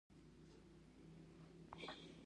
ډرامه له تربیې سره مرسته کوي